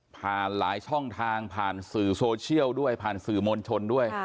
หลายช่องทางผ่านสื่อโซเชียลด้วยผ่านสื่อมวลชนด้วย